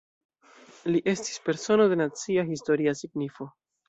Li estis "Persono de Nacia Historia Signifo".